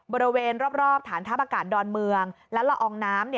บริเวณรอบฐานทัพอากาศดอนเมืองและละอองน้ำ